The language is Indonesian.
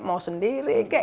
mau sendiri kek